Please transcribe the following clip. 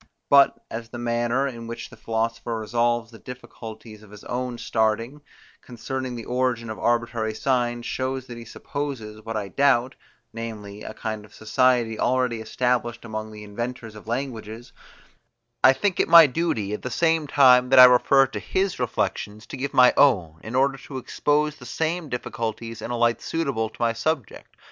But, as the manner, in which the philosopher resolves the difficulties of his own starting, concerning the origin of arbitrary signs, shows that he supposes, what I doubt, namely a kind of society already established among the inventors of languages; I think it my duty, at the same time that I refer to his reflections, to give my own, in order to expose the same difficulties in a light suitable to my subject.